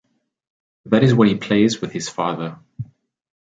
That is what he plays with his father.